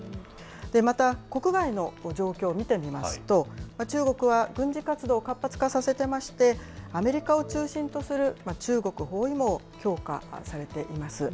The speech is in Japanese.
また、国外の状況を見てみますと、中国は軍事活動を活発化させてまして、アメリカを中心とする、中国包囲網、強化されています。